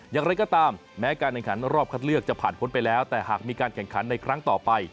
อย่างไรก็ตามแม้การแข่งขันรอบคัดเลือกจะผ่านพ้นไปแล้วแต่หากมีการแข่งขันในครั้งต่อไป